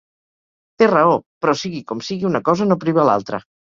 Té raó, però sigui com sigui una cosa no priva l’altra.